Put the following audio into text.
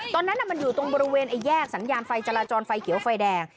ตอนนั้นมันอยู่ตรงบริเวณแยกสัญญาณไฟจราจรไฟเขียวไฟแดง